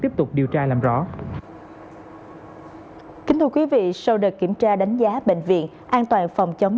tiếp tục điều tra làm rõ kính thưa quý vị sau đợt kiểm tra đánh giá bệnh viện an toàn phòng chống